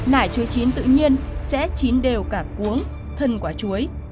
nải chuối chín tự nhiên sẽ chín đều cả cuống thân quả chuối